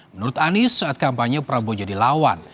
menurut anies saat kampanye prabowo jadi lawan